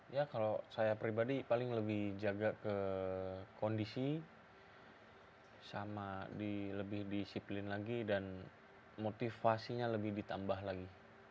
ya kalau saya pribadi paling lebih jaga ke kondisi sama lebih disiplin lagi dan motivasinya lebih ditambah lagi